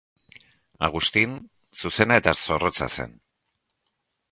Augustin zuzena eta zorrotza zen.